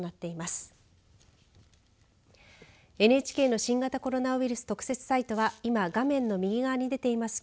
ＮＨＫの新型コロナウイルス特設サイトは今、画面の右側に出ています